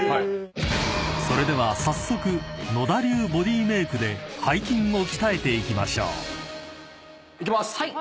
［それでは早速野田流ボディメイクで背筋を鍛えていきましょう］いきます。